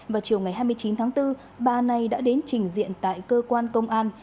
vào chiều ngày hai mươi chín tháng bốn bà này đã đến trình diện tại cơ quan công an